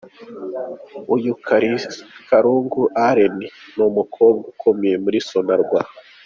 Uyu Karungi Allen ni umukobwa ukomeye muri Sonarwa.